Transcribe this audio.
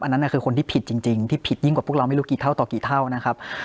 อันนั้นคือคนที่ผิดจริงที่ผิดยิ่งกว่าพวกเราไม่รู้กี่เท่าต่อกี่เท่านะครับ